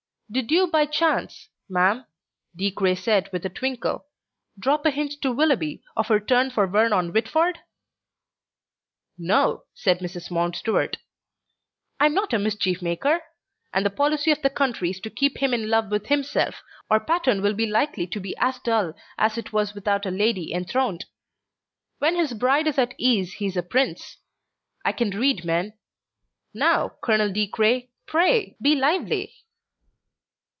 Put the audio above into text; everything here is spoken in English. "Did you by chance, ma'am," De Craye said, with a twinkle, "drop a hint to Willoughby of her turn for Vernon Whitford?" "No," said Mrs. Mountstuart, "I'm not a mischief maker; and the policy of the county is to keep him in love with himself, or Patterne will be likely to be as dull as it was without a lady enthroned. When his pride is at ease he is a prince. I can read men. Now, Colonel De Craye, pray, be lively."